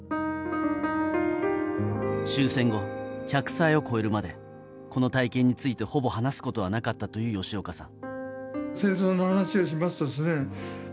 終戦後、１００歳を超えるまでこの体験についてほぼ話すことはなかったという吉岡さん。